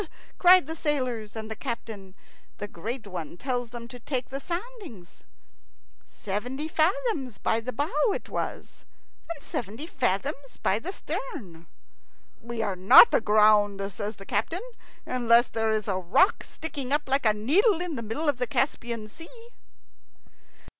cry the sailors; and the captain, the great one, tells them to take soundings. Seventy fathoms by the bow it was, and seventy fathoms by the stern. "We are not aground," says the captain, "unless there is a rock sticking up like a needle in the middle of the Caspian Sea!"